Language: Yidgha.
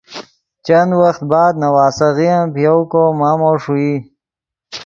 چند وخت بعد نواسیغے ام پے یؤ کو مامو ݰوئی